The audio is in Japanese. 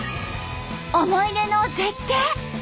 思い出の絶景！